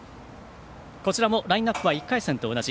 こちらもラインナップは１回戦と同じ。